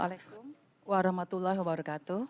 waalaikumsalam warohmatullah wabarokatuh